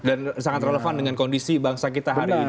dan sangat relevan dengan kondisi bangsa kita hari ini ya